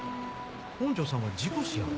本上さんは事故死やろ？